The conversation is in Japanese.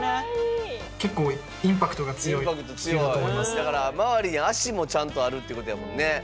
だからまわりに足もちゃんとあるっていうことやもんね。